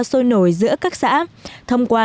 sôi nổi giữa các xã thông qua